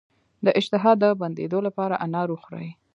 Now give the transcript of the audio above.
د اشتها د بندیدو لپاره انار وخورئ